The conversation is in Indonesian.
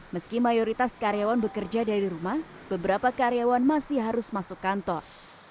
meski mayoritas karyawan bekerja dari rumah beberapa karyawan masih harus masuk kantor